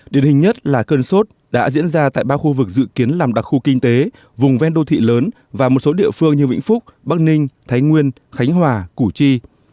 điển hình nhất là cơn sốt đã diễn ra tại ba khu vực dự kiến làm đặc khu kinh tế vùng ven đô thị lớn và một số địa phương như vĩnh phúc bắc ninh thái nguyên khánh hòa củ chi